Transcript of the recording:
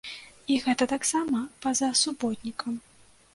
І гэта таксама па-за суботнікам.